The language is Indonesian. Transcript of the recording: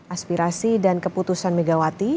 aspirasi dan keputusan megawati